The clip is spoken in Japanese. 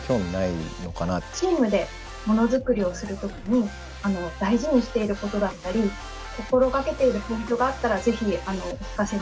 チームでものづくりをする時に大事にしていることだったり心がけているポイントがあったらぜひお聞かせ願いたいなと。